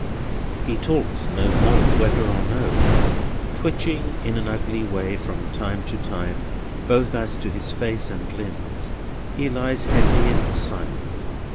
He talks no more, whether or no. Twitching in an ugly way from time to time, both as to his face and limbs, he lies heavy and silent.